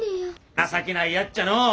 情けないやっちゃのう。